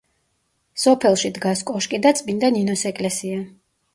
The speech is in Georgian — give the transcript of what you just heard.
სოფელში დგას კოშკი და წმინდა ნინოს ეკლესია.